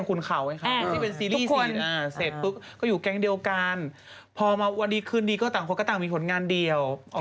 คงใส่ว่านางเสียกันเรื่องอะไรแองจินให้เล่าสิ